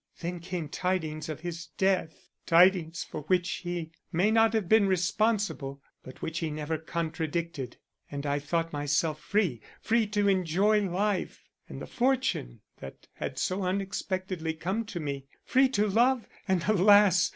Then came tidings of his death, tidings for which he may not have been responsible, but which he never contradicted, and I thought myself free free to enjoy life, and the fortune that had so unexpectedly come to me; free to love and, alas!